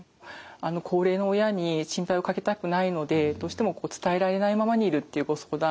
高齢の親に心配をかけたくないのでどうしても伝えられないままにいるっていうご相談